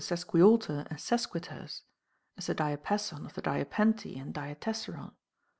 3 Π sesquialter and sesquiterce, as the diapason of the diapente and diatessaron.